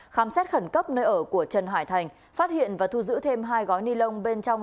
khám xét khẩn cấp nơi ở của trần hải thành phát hiện và thu giữ thêm hai gói ni lông bên trong